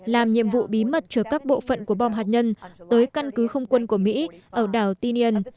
làm nhiệm vụ bí mật chữa các bộ phận của bom hạt nhân tới căn cứ không quân của mỹ ở đảo tinian